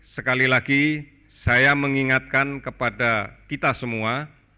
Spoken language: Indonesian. sekali lagi saya mengingatkan kepada kita semua